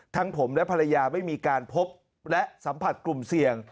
ทั้งผมและภรรยาไม่มีการพบและสัมผัสกลุ่มเสี่ยง